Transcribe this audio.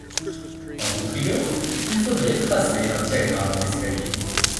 En toute rigueur, il faudrait tracer un diagramme en escalier.